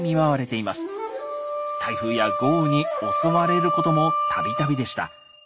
台風や豪雨に襲われることも度々でした。